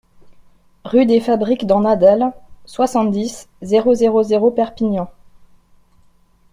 Rue des Fabriques d'en Nadals, soixante-six, zéro zéro zéro Perpignan